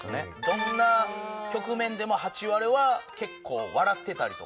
どんな局面でもハチワレは結構笑ってたりとか。